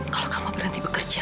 kalau kamu berhenti bekerja